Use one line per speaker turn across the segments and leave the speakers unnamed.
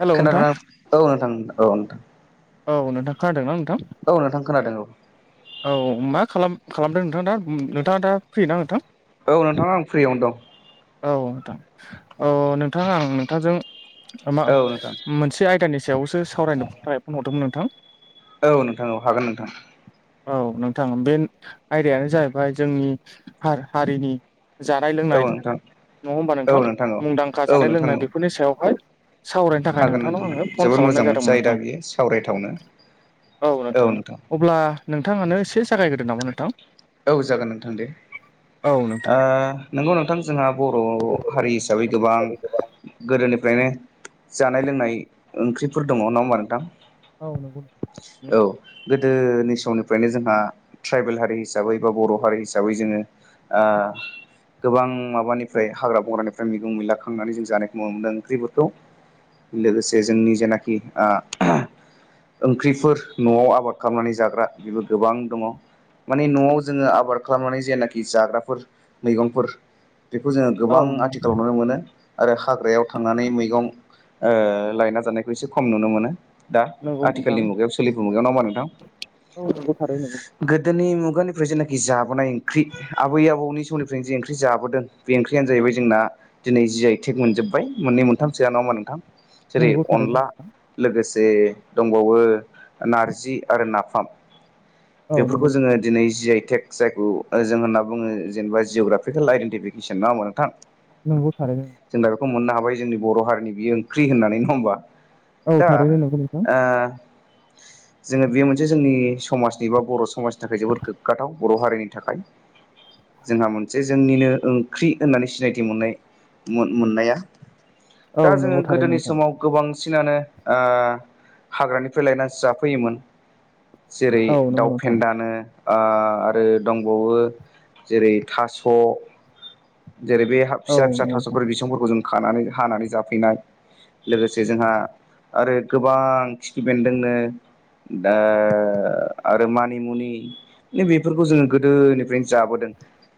hello नोंथां
खोनादोंना औ नोंथांथां औ नोंथां
औ नोंथां खोनादोंना नोंथां
औ नोंथां खोनादों
औ मा खालाम खालामदों नोंथां दा नोंथाङा दा फ्रिना नोंथां
औ नोंथाङा आं फ्रियावनो दं
औ नोंथां औ नोंथां आं नोंथांजों मा
औ नोंथां
मोनसे आयदानि सायावसो सावरायनो थाखाय फन हरदोंमोन नोंथां
औ नोंथां औ हागोन नोंथां
औ नोंथां बे आयदायानो जाहैबाय जोंनि हारिनि जानाय
औ
लोंनाय
नोंथां
नङा होमबा
औ
नोंथां मुंदांखा
औ औ
जानाय
नोंथां
लोंनाय
औ
बेफोरनि सायावहाय सावरायनो थाखाय
हागोन नोंथां
नोंथांनाव आङो
हागोन
फन
जोबोद
खालामनाय
मोजां मोनसे
जादोंमोन
आयदा
नोंथां
बियो सावरायथावनो
औ नोंथां अब्ला नोंथाङानो एसे जागायग्रोदो नामा नोंथां
औ जागोन नोंथां दे
औ नोंथां
नंगौ नोंथां जोंहा बर' हारि हिसाबै गोबां गोदोनि ओरनो जानाय लोंनाय ओंख्रिफोर दङ ना होमबा नोंथां
औ नंगौ
औ गोदोनि समनिफ्रायनो जोंहा ट्राइबेल हारि हिसाबै हिसाबै बा बर' हारि हिसाबै जोङो गोबां माबानिफ्राय हाग्रा बंग्रानिफ्राय मैगं मैला खांनानै जों जानायखौ नुनो मोनदों ओंख्रिफोरखौ लोगोसे जोंनि जेनाखि ओंख्रिफोर न'आव आबाद खालामनानै जाग्रा बेबो गोबां दङ माने न'आव जोङो आबाद खालामनानै जेनाखि जाग्राफोर मैगंफोर बेखौ जोङो
औ
गोबां आथिखालाव
नंगौ
नुनो मोनो आरो हाग्रायाव थांनानै मैगं लायना जानायखौ एसे खम नुनो मोनो दा
नंगौ नोंथां
आथिखालनि मुगायाव सोलिफु मुगायाव नामा नोंथां
औ नंगौ थारैनो नंगौ
गोदोनि मुगानिफ्राय जेनाखि जाबोनाय ओंख्रि आबै आबौनि समनिफ्रायनो जे ओंख्रि जाबोदों बे ओंख्रियानो जाहैबाय जोंना दिनै जि आइ टेग मोनजोबबाय मोननै मोनथामसोआ नङाोमा नोंथां जेरै
नंगौ थारैनो
अनला
नोंथां
लोगोसे जे दंबावो नारजि आरो नाफाम
औ नंगौ
बेफोरखौ जोङो दिनै जि आइ टेक जायखौ जों होनना बुङो जिअ ग्राफिकेल आइडेन्टिफिकेसन ना होनोमबा नोंथां
नंगौ थारैनो
खौ मोननो हाबाय जोंनि बर' हारिनि बियो ओंख्रि होननानै नङा होमबा
औ
दा
थारैनो नंगौ नोंथां
ओ जोङो बेयो मोनसे जोंनि समाजनि बा बर' समाजनि थाखाय जोबोद गोग्गाथाव बर' हारिनि थाखाय जोंहा मोनसे जोंनिनो ओंख्रि होननानै सिनायथि मोननाय मोननाया
औ
दा जोङो
नंगौ थारैनो
गोदोनि
नोंथां
समाव गोबांसिनानो ओह हाग्रानिफ्राय लायनानैसो जाफैयोमोन जेरै
औ नंगौ
दाउ
नोंथां
फेन्दानो ओह आरो दंबावो जेरै थास' जेरै बे
औ
फिसा फिसा
नंगौ नोंथां
थास'फोर बिसंफोरखौ जों खानानै हानानै जाफैनाय लोगोसे जोंहा आरो गोबां खिफि बेन्दोंनो ओ आरो मानिमुनि बेफोरखौ जोङो गोदोनिफ्रायनो जाबोदों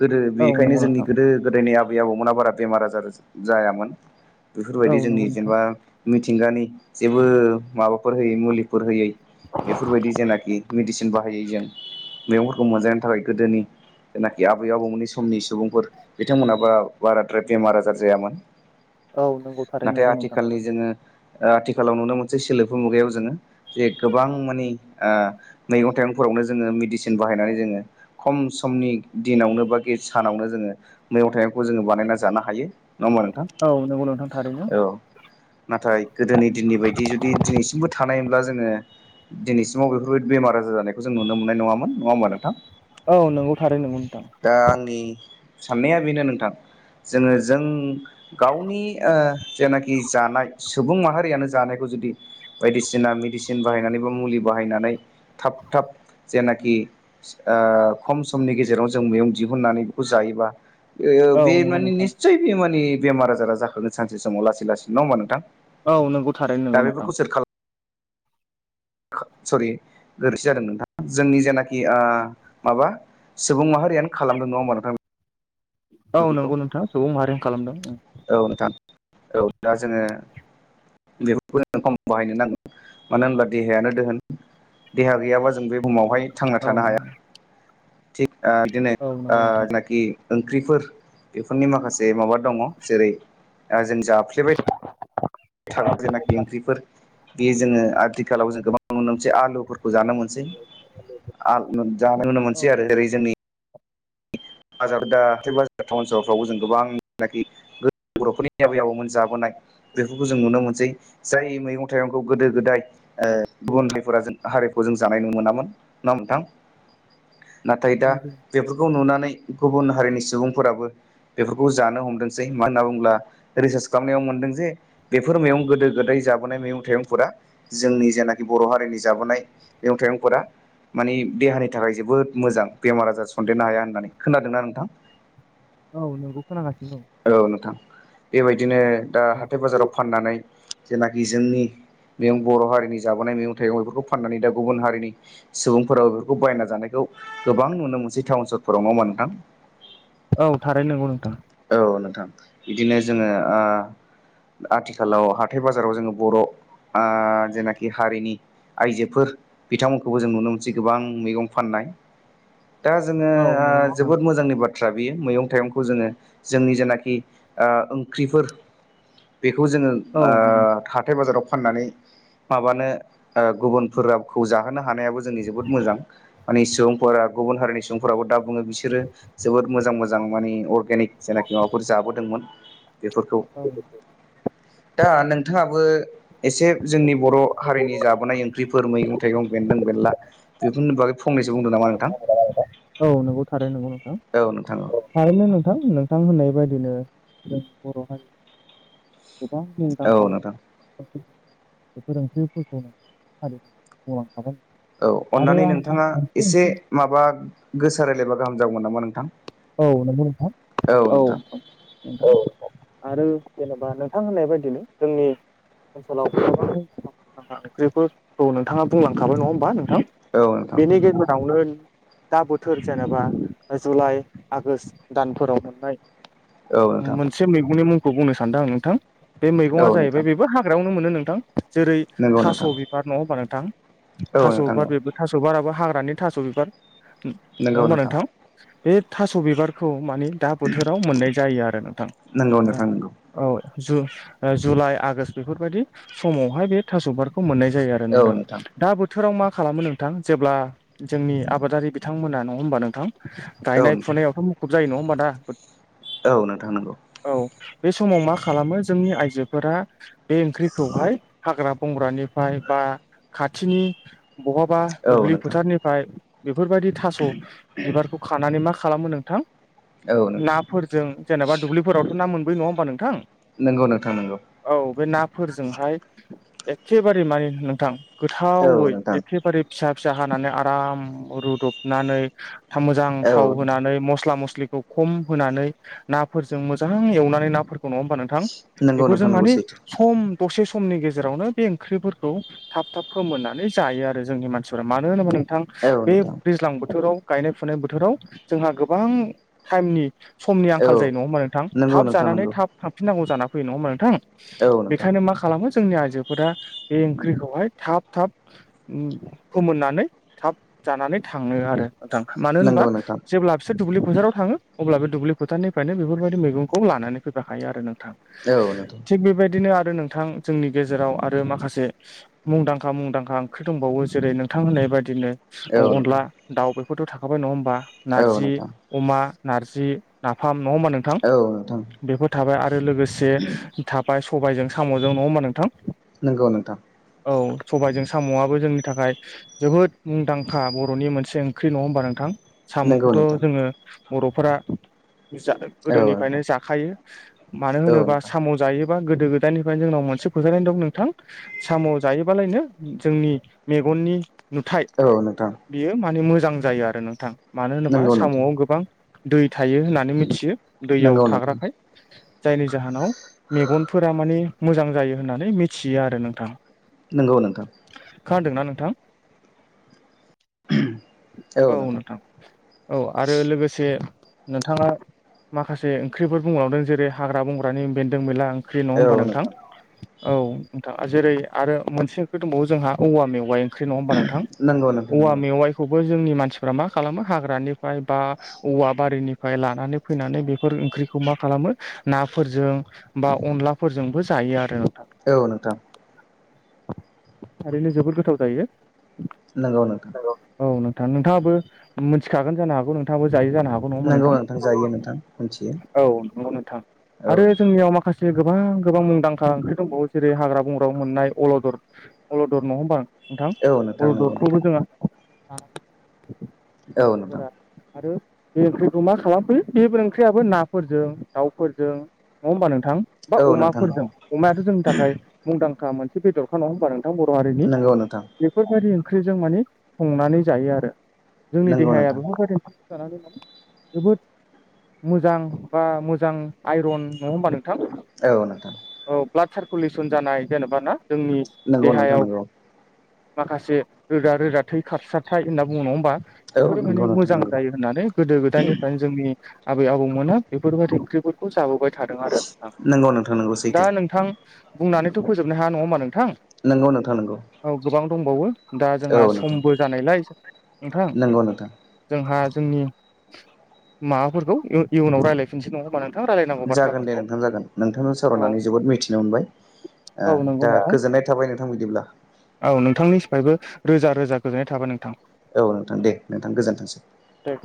गोदो
औ
बेनिखायनो
नंगौ
जोंनि
नोंथां
गोदो गोदायनि आबै आबौमोना बारा बेमार आजार जायामोन
औ
बेफोरबायदि जोंनि
नंगौ नोंथां
जेनेबा मिथिंगानि जेबो माबा फोर होयै मुलिफोर होयै बेफोरबायदि जेनाखि मेडिसिन बाहायै जों मैगंफोरखौ मोनजानो थाखाय गोदोनि जेनाखि आबै आबौमोननि समनि सुबुंफोर बिथांमोनाबा बाराद्राय बेमार आजार जायामोन
औ नंगौ थारैनो
नाथाय
नंगौ नोंथां
आथिखालनि जोङो आथिखालाव नुनो मोनसे सोलिफु मुगायाव जोङो जे गोबां मानिे मैगं थाइगंफोर फोरावनो जोङो मेडिसिन बाहायनानै जोङो खम समनि दिनावनो बा गि सानावनो जोङो मैगं थाइगंखौ जोङो बानायना जानो हायो नङा होमबा नोंथां
औ नंगौ नोंथां थारैनो
औ नाथाय गोदोनि दिननि बायदि जुदि दिनैसिमबो थानायमोनब्ला जोङो दिनैसिमाव बेफोरबायदि बेमार आजार जानायखौ जों नुनो मोननाय नङामोन नङा होमबा नोंथां
औ नंगौ थारैनो नंगौ नोंथां
दा आंनि साननाया बेनो नोंथां जोङो जों गावनि ओ जेनाखि जानाय सुबुं माहारियानो जानायखौ जुदि बायदिसिना मेदिसिन बाहायनानै बा मुलि बाहायनानै थाब थाब जेनाखि ओह खम समनि गेजेराव जों मैगं दिहुननानै बेखौ जायोबा
औ
बे
नंगौ
माने
नोंथां
निस्सय बे मानानि बेमार आजारा जाखागोन सानसे समाव लासै लासै नङा होमबा नोंथां
औ नंगौ थारै
दा
नोंगौ नोंथां
बेफोरखौ सोर खालाम सरि गोरोन्थि जादों नोंथाङा जोंनि जेनाखि ओह माबा सुबुं माहारियानो खालामदों नङा होमबा नोंथां
औ
बेफोरखौ
नंगौ नोंथां सुबुं माहारियानो खालामदों
औ नोंथां औ दा जोङो बेफोरखौ खम बाहायनो नांगोन मानो होनब्ला देहायानो दोहोन देहा गैयाबा जों बे बुहुमावहाय थांना
औ
थानो हाया थिग दिनै
नंगौ नोंथां
जेनाखि ओंख्रिफोर बेफोरनि माखासे माबा दङ जेरै जों जाफ्लेबाय थाग्रा जेनाखि ओंख्रिफोर बे जोङो आथिखालाव जों गोबां नुनो मोनसै आलुफोरखौ जानो मोन जानो
औ
मोनसै आरो जेरै जोंनि बाजार दा हाथाइ बाजार टाउन सहरफ्रावबो जों गोबां जेनाखि बर'फोरनि आबै आबौमोन जाबोनाय बेफोरखौ जों नुनो मोनसै जाय मैगं थाइगंखौ गोदो गोदाय गुबुन हारिफोरा जों हारिखौ जों जानाय नुनो मोनामोन नङा होमबा नोंथां
[inaudible]
नाथाय दा
नंगौ
बेफोरखौ नुनानै गुबुन हारिनि सुबुंफोराबो बेफोरखौ जानो हमदोंसै मानो होनना बुङोब्ला रिसार्च खालामनायाव मोनदों जे बेफोर मैगं गोदो गोदाय जाबोनाय मैगं थाइगंफोरा जोंनि जेनाखि बर' हारिनि जाबोनाय मैगं थाइगंफोरा माने देहानि थाखाय जोबोद मोजां बेमार आजार सन्देरनो हाया होननानै खोनादोंना नोंथां
औ नोंखौ खोनागासिनो दं
औ नोंथां बेबायदिनो दा हाथाय बाजाराव फाननानै जेनाखि जोंनि बे बर' हारिनि जाबोनाय मैगं थाइगं बेफोरखौ फाननानै दा गुबुन हारिनि सुबुंफोराबो बेफोरखौ बायना जानायखौ गोबां नुनो मोनसेै टाउन सहरफोराव नङा होमबा नोंथां
औ थारै नंगौ नोंथां
औ नोंथां बिदिनो जोङो ओ आथिखालाव हाथाय बाजाराव जोङो बर' आ जेनाखि हारिनि आइजोफोर बिथांमोनखौबो जों नुनो मोनसै गोबां मैगं फाननाय
[inaudible]
दा जोङो
औ
ओ
नंगौ नोंथां
जोबोद मोजांनि बा थ्रा बेयो मैगं थाइगंखौ जोङो जोंनि जेनाखि ओह ओंख्रिफोर बेखौ जोङो
औ नंगौ
हाथाय बाजाराव फाननानै माबानो गुबुन फोरखौ जाहोनो हानायाबो जोंनि जोबोद मोजां माने सुबुंफोरा गुबुन हारिनि सुबुंफोराव दा बुङो बिस बिसोरो जोबोर मोजां मोजां माने अर्गेनिक जायनाखि माबाफोर जाबोदोंमोन बेफोरखौ
औ
दा नोंथाङाबो एसे जोंनि बर' हारिनि जाबोनाय ओंख्रिफोर मैगं थाइगं बेन्दों बेनला बेफोरनि बागै फंनैसो बुंदो नामा नोंथां
औ नंगौ थारै नंगौ नोंथां
औ नोंथां औ
थारैनो नोंथां नोंथां होननाय बायदिनो जों बर' हारिया गोबां मुंदांखा
औ नोंथां
बेफोर ओंख्रिफोरखौ [unintelligible] मावलांखाबाय
औ अन्नानै नोंथाङा एसे माबा गोसा रायलायबा गाहाम जागौमोन नामा नोंथां
औ नंगौ नोंथां औ औ आरो बा नोंथां होननाय बायदिनो जोंनि ओनसोलाव गोबां ओंख्रिफोरखौ नोंथाङा बुंलांखाबाय नङा होमबा नोंथां
औ नोंथां
बेनि गेजेरावनो दा बोथोर जेनेबा जुलाइ आगस्त दानफोराव मोननाय
औ नोंथां
मोनसे मैगंनि मुंखौ बुंनो सानदों आं नोंथां बे
औ
मैगङा जाहैबाय
नोंथां
बेबो हाग्रायावनो मोनो नोंथां जेरै
नंगौ
थास'
नोंथां
बिबार नङा होमबा नोंथां
औ
थास'
नोंथां
बिबार
औ
बेबो थास' बिबाराबो हाग्रानि थास' बिबार नङा होमबा नोंथां बे थास' बिबारखौ मानि दा बोथोराव मोननाय जायो आरो नोंथां
नंगौ नोंथां नंगौ
औ जुलाइ आगस्त बेफोरबायाददि समावहाय बे थास' बिबारखौ मोननाय जायो जायो आरो नोंथां दा बोथोराव मा खालामो नोंथां जेब्ला जोंनि आबादारि बिथांमोना नङा होमबा नोंथां
औ
गायनाय
नोंथां
फुनायावथ' मुखुब जायो नङा होमबा दा
औ नोंथां नंगौ
औ बे समाव मा खालामो जोंनि आइजोफोरा बे ओंख्रिखौहाय हाग्रा बंग्रानिफ्राय बा खाथिनि बहाबा
औ
दुब्लि
नोंथां
फोथारनिफ्राय बेफोरबायदि थास' बिबारखौ खानानै मा खालामो नोंथां
औ नोंथां
नाफोरजों जेनेबा दुब्लिफोरावथ' ना मोनबोयो नङा होमबा नोंथां
नंगौ नोंथां नंगौ
औ बे नाफोरजोंहाय एखेबारे मानि नोंथां
औ
गोथावै
नोंथां
एखेबारे फिसा फिसा हानानै आराम रुदबनानै मोजां
औ
थाव होनानै मस्ला मस्लिखौ खम होनानै नाफोरजों मोजां एवनानै नाफोर नङा होमबा नोंथां
नंगौ
बेफोरजों
नोंथां नंगौ
मानि
सैथो
सम दसे समनि गेजेरावनो बे ओंख्रिफोरखौ थाब थाब फोमोननानै जायो आरो जोंनि मानसिफोरा मानो होनोबा नोंथां नोंथां
औ
बे
नोंथां
दैज्लां बोथोराव गायनाय फुनाय बोथोराव जोंहा गोबां टाइमनि समनि
औ
आंखाल जायो नङा होमबा नोंथां
नंगौ नोंथां
थाबानानै
नंगौ
थाब थांफिनांगौ जानानै फैयो नङा होमबा नोंथां
औ नोंथां
बेखायनो मा खालामो जोंनि आइजोफोरा बे ओंख्रिखौहाय थाब थाब फोमोननानै थाब जानानै थाङो आरो मोजां मानो होनोबा
नंगौ नोंथां
जेब्ला बिसोर दुब्लि फोथाराव थाङो अब्ला बे दुब्लि फोथारनिफ्रायनो बेफोरबायदि मैगंखौ लानानै फैफाखायो आरो नों
औ नोंथां
थिग बेबादिनो आ नोंथां जोंनि गेजेराव आरो माखासे मुंदांखा मुंदांखा ओंख्रि दंबावो जेरै नोंथां होननाय बादि बादिनो
औ
अनला
नोंथां
दाउ बेफोरथ' थाखाबाय नङा होमबा
औ
नारजि
नोंथां
अमा नारजि नाफाम नङा होमबा नोंथां
औ नोंथां
बेफोर थाबाय आरो लोगोसे थाबाय सबायजों साम'जों नङा होमबा नोंथां
नोंगौ नोंथां
औ सबायजों साम'वाबो जोंनि थाखाय जोबोद मुंदांखा बर'नि मोनसे ओंख्रि नङा होमबा नोंथां
नंगौ
साम'खौथ'
नोंथां
जोङो बर'फोरा जा
औ नोंथां
गोदोनिफ्रायनो जाखायो मानो
औ
होनोबा
नोंथां
साम' जायो बा गोदो गोदयनिफ्रायनो जोंनाव मोनसे फोथायनाय दं नोंथां साम' जायोबालाय नो जोंनि मेगन मेगननि नुथाय
औ नोंथां
बियो माने मोजां जायो आरो नोंथां मानो होनोबा
नंगौ नोंथां
साम'वाव गोबां दै थायो होननानै मिथियो दैयाव
नंगौ नोंथां
थाग्राखाय जायनि जाहोनाव मेगनफोरा माने मोजां जायो होननानै मिथियो आरो नोंथां
नंगौ नोंथां
खोनादोंना नोंथां औ नोंथां औ आरो लोगोसे नोंथाङा माखासे ओंख्रिफोर बुंलांदों जेरै हाग्रा बंग्रानि बेन्दों बेनला ओंख्रि नङा होमबा नोंथां औ नोंथां जेरै आरो मोनसे ओंख्रै दंबावो जोंहा औवा मेवाय ओंख्रि नङा होमबा नोंथां
नंगौ नोंथां
औवा
नंगौ
मेवाइखौबो जोंनि मानसिफ्रा मा खालामो हाग्रानिफ्राय बा औवा बारिनिफ्राय लानानै फैनानै बेफोर ओंख्रिखौ मा खालामो नाफोरजों बा अनलाफोरजोंबो जायो आरो नोंथां
औ नोंथां
थारैनो जोबोद गोथाव जायो
नोंगौ नोंथां
औ नोंथाङाबो मिथिखागोन जानो हागौ नोंथाङाबो जायो जानो हागौ नङा होमबा नंगौ
नोंथां जायो मिथियो
नोंथां औ नंगौ नोंथां
औ
आरो जोंनियाव माखासे से गोबां गोबां मुंदांखा ओंख्रि दंबावो जेरै हाग्रा बंग्रायाव मोननाय अलदर अलदर नङा होमबा नोंथां
औ नोंथां नंगौ नोंथां
अलददखौबो जोङो
औ नोंथां
बे ओंख्रिखौ मा खालामफैयो बेफोर ओंख्रियाबो नाफोरजों दाउफोरजों नङा होमबा नोंथां बा
औ नोंथां
अमाफोरजों अमायाथ' जोंनि थाखाय मुंदांखा मोनसे बेदरखा नङा होमबा नोंथां नोंथां बर' हारिनि
नंगौ नोंथां
बेफोरबायदि ओंख्रिजों माने संनानै जायो आरो जोंनि
नंगौ
देहाया
नोंथां
बेफोर बादि जोबोद मोजां बा मोजां आइरन नङा होनबा
औ नोंथां
ब्लाड सारकुलेसन जानाय जेनेबा ना जोंनि
नंगौ नोंथां
देहायाव
नंगौ
माखासे रोदा रोदा थै खारसाथाय होनना बुंङो नङा होमबा
औ
बेफोरो
नंगौ
माने
नोंथां
मोजां
नंगौ
जायो होननानै गोदो गोदायनिफ्रायनो जोंनि आबै आबौ मोना बेफोरबायदि ओंख्रिफोरखौ जाबोबाय थादों आरो नोंथां
नंगौ नोंथां नंगौ
दा
सैथो
नोंथां बुंनानैथ' फोजोबनो हाया नङा होमबा नोंथां
नंगौ नोंथां नोंगौ
औ गोबां दंबावो दा जोंहा समबो जानायलाय नोंथां
नंगौ नोंथां
जोंहा जोंनि माबाफोरखौ इयुनाव रायज्लायफिनसै नङा होमबा नोंथां रायलायनांगौ
जागोन दे
बाथ्राफोरखौ
नोंथां जागोन नोंथांजों
औ
सावरायनानै जोबोद मिथिनो मोनबाय
औ
ओह
नंगौ
दा
नोंथां
गोजोननाय थाबाय नोंथां बिदिब्ला
औ नोंथांनिफ्रायबो रोजा रोजा गोजोननाय थाबाय नोंथां
औ नोंथां दे नोंथां गोजोनथोंसै
दे